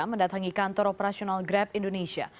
mendatangi kantor operasional grab indonesia